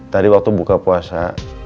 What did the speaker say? tadi waktu buka puasa